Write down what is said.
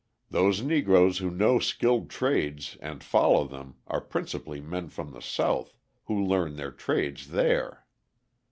Those Negroes who know skilled trades and follow them are principally men from the South, who learned their trades there.